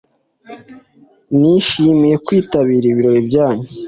Nishimiye kwitabira ibirori byanyu